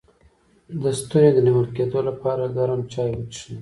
د ستوني د نیول کیدو لپاره ګرم چای وڅښئ